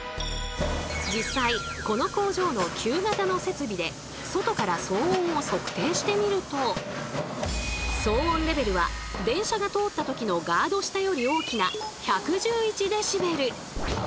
実際この工場の旧型の設備で外から騒音を測定してみると騒音レベルは電車が通ったときのガード下より大きな１１１ｄＢ。